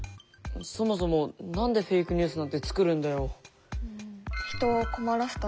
そもそも何でフェイクニュースなんてつくるんだよ。